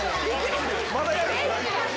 まだやる？